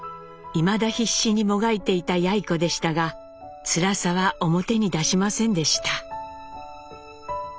いまだ必死にもがいていたやい子でしたがつらさは表に出しませんでした。